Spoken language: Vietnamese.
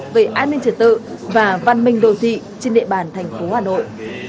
về an ninh trật tự và văn minh đồ thị trên địa bàn thành phố hà nội